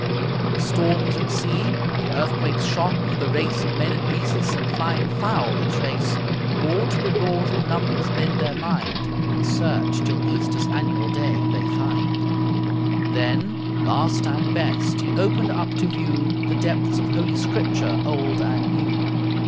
The storms at sea, the earthquake's shock, the race Of men and beasts and flying fowl they trace; Or to the laws of numbers bend their mind, And search till Easter's annual day they find. Then, last and best, he opened up to view The depths of Holy Scripture, Old and New.